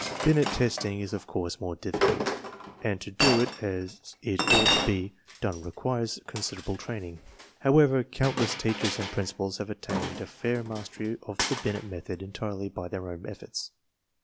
Binet testing is of course more difficult, and to do it as it ought to be done requires considerable training. However, count less teachers and principals have attained a fair mastery of the Binet method entirely by their own efforts.